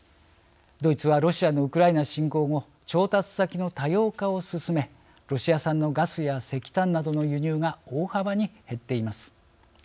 ドイツはロシアのウクライナ侵攻後調達先の多様化を進めロシア産のガスや石炭などの輸入が大幅に減っています。